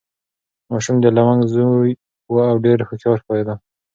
ماشوم د لونګ زوی و او ډېر هوښیار ښکارېده.